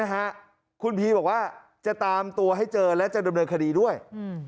นะฮะคุณพีบอกว่าจะตามตัวให้เจอแล้วจะเงินเริ่มคดีด้วยอือ